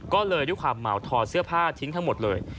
ก็เลยด้วยความเหมาถอดเสื้อผ้าทิ้งทั้งหมดเลย